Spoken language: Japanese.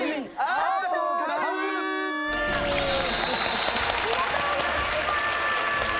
ありがとうございます！